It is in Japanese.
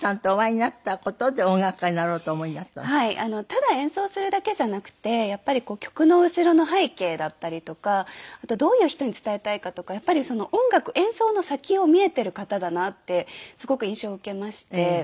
ただ演奏するだけじゃなくてやっぱり曲の後ろの背景だったりとかあとどういう人に伝えたいかとかやっぱり音楽演奏の先を見えてる方だなってすごく印象を受けまして。